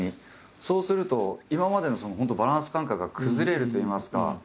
そうすると今までのバランス感覚が崩れるといいますか。